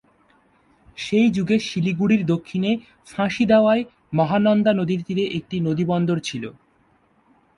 সেই যুগে শিলিগুড়ির দক্ষিণে ফাঁসিদেওয়ায় মহানন্দা নদীর তীরে একটি নদীবন্দর ছিল।